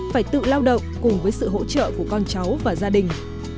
phải tự lao động cùng với sự hỗ trợ của con cháu và gia đình